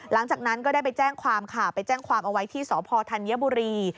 หลังจากนั้นก็ได้ไปแจ้งความค่ะไปแจ้งความเอาไว้ที่สพธัญบุรี